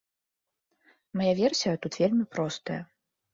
Мая версія тут вельмі простая.